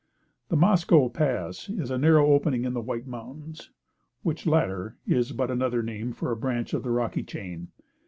The Mosco Pass is a narrow opening in the White Mountains, which latter is but another name for a branch of the Rocky Chain.